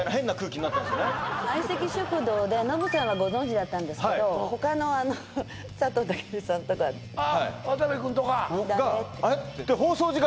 「相席食堂」でノブさんはご存じだったんですけど他のあの佐藤健さんとかあっ渡部くんとか嘘や！